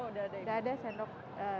oh udah ada sendok